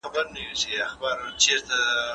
د لاس لیکنه د حقایقو د تحریف مخه نیسي.